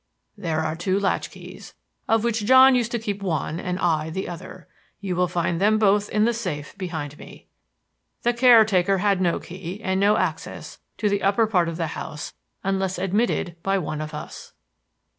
There are two latch keys, of which John used to keep one and I the other. You will find them both in the safe behind me. The caretaker had no key and no access to the upper part of the house unless admitted by one of us.